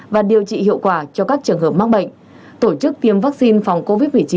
và điều trị hiệu quả cho các trường hợp mắc bệnh tổ chức tiêm vaccine phòng covid một mươi chín